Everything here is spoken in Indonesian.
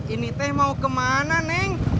ini teh mau kemana neng